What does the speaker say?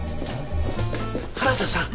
原田さん。